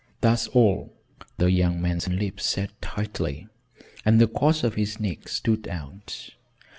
"That's all." The young man's lips set tightly and the cords of his neck stood out.